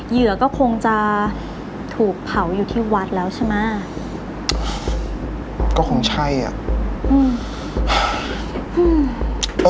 เหยื่อก็คงจะถูกเผาอยู่ที่วัดแล้วใช่ไหมก็คงใช่อ่ะอืม